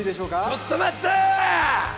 ちょっと待った！